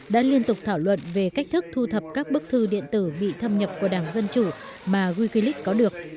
đã liên tục thảo luận về cách thức thu thập các bức thư điện tử bị thâm nhập của đảng dân chủ mà wikileak có được